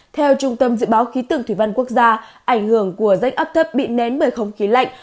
theo trung tâm dự báo ký tưởng thủy văn quốc gia ảnh hưởng của rách ấp thấp bị nén bởi không khí lạnh